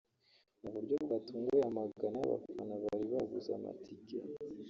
Mu buryo bwatunguye amagana y’abafana bari baguze amatike